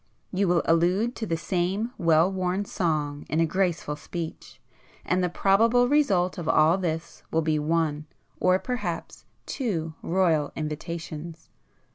You will allude to the same well worn song in a graceful speech,—and the probable result of all this will be one, or perhaps two Royal invitations.